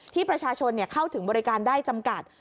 ที่ประชาชนเข้าถึงบริการได้จำกัด